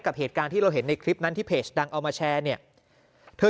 กับเหตุการณ์ที่เราเห็นในคลิปนั้นที่เพจดังเอามาแชร์เนี่ยเธอ